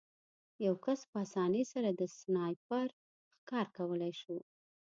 یو کس په اسانۍ سره د سنایپر ښکار کېدلی شو